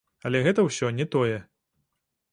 Але гэта ўсё не тое.